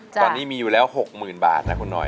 ตอนนี้มีอยู่แล้ว๖๐๐๐บาทนะคุณหน่อย